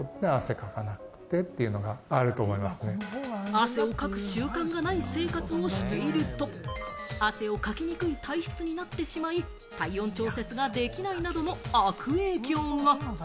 汗をかく習慣がない生活をしていると、汗をかきにくい体質になってしまい、体温調節ができないなどの悪影響が。